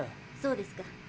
そうですか。